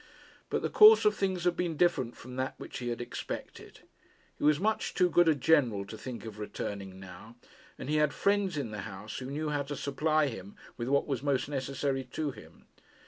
But the course of things had been different from that which he had expected. He was much too good a general to think of returning now, and he had friends in the house who knew how to supply him with what was most necessary to him.